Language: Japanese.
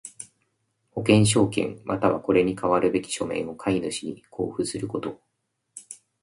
保険証券又はこれに代わるべき書面を買主に交付すること。